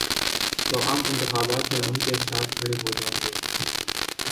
تو عام انتخابات میں ان کے ساتھ کھڑے ہو جائیں گے۔